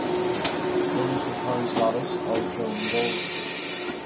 Those with town status are shown in bold.